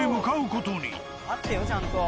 あってよちゃんと。